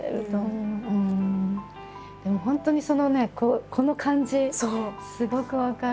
でも本当にそのねこの感じすごく分かる。